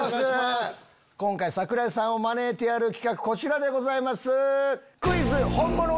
今回櫻井さんを招いてやる企画こちらでございます。